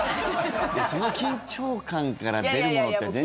その緊張感から出るものって全然違うもん。